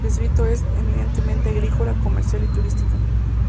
El distrito es eminentemente agrícola, comercial y turístico.